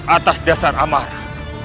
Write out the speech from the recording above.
atas dasar amarah